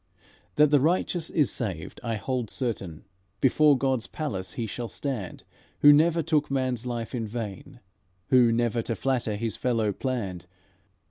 "That the righteous is saved I hold certain; Before God's palace he shall stand Who never took man's life in vain, Who never to flatter his fellow planned.